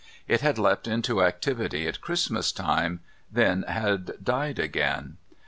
It had leapt into activity at Christmas time, then had died again.